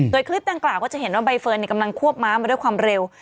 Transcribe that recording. โดยคลิปดังกล่าวก็จะเห็นว่าใบเฟิร์นกำลังควบม้ามาด้วยความเร็ว